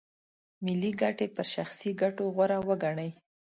ملي ګټې پر شخصي ګټو غوره وګڼي.